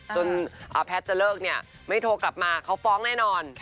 แพทย์จะเลิกเนี่ยไม่โทรกลับมาเขาฟ้องแน่นอน